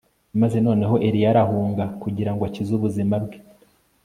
maze noneho Eliya arahunga kugira ngo akize ubuzima bwe